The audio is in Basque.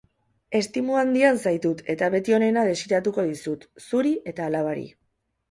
Estimu handian zaitut eta beti onena desiratuko dizut... zuri eta alabari.